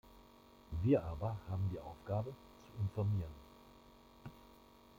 Wir aber haben die Aufgabe, zu informieren.